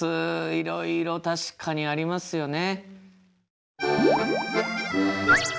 いろいろ確かにありますよね。